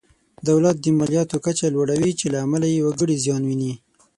دولت د مالیاتو کچه لوړوي چې له امله یې وګړي زیان ویني.